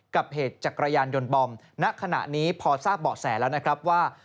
กับเหตุจักรยานยนต์บอมณขณะนี้พอทราบเบาะแสแล้วนะครับว่า